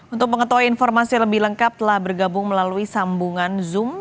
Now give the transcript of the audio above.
untuk mengetahui informasi lebih lengkap telah bergabung melalui sambungan zoom